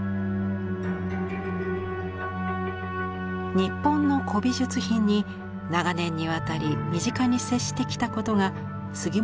日本の古美術品に長年にわたり身近に接してきたことが杉本